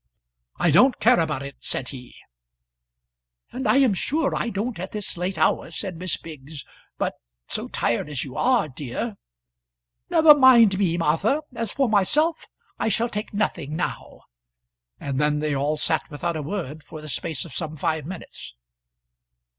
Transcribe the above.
"I don't care about it," said he. "And I am sure I don't at this late hour," said Miss Biggs. "But so tired as you are, dear " "Never mind me, Martha; as for myself, I shall take nothing now." And then they all sat without a word for the space of some five minutes.